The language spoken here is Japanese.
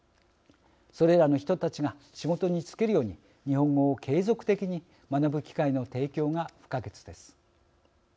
それらの人たちが仕事に就けるように日本語を継続的に学ぶ機会の提供が不可欠です。